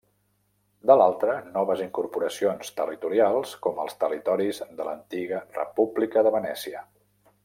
De l'altra, noves incorporacions territorials com els territoris de l'antiga República de Venècia.